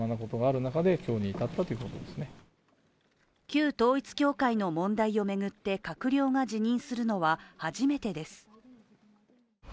旧統一教会の問題を巡って閣僚が辞任するのは初めてです。